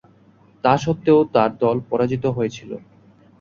তা স্বত্ত্বেও তার দল পরাজিত হয়েছিল।